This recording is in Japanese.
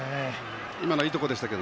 今のはいいところでした。